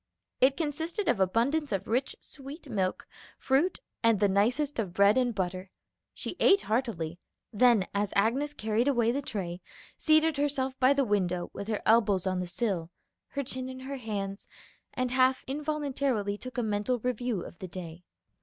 It consisted of abundance of rich sweet milk, fruit, and the nicest of bread and butter. She ate heartily; then as Agnes carried away the tray, seated herself by the window with her elbows on the sill, her chin in her hands, and half involuntarily took a mental review of the day.